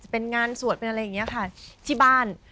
เป็นงานสวดเป็นอะไรอย่างนี้ค่ะที่บ้าน